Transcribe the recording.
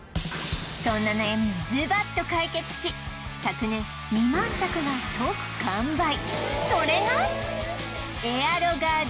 そんな悩みをズバッと解決し昨年２万着が即完売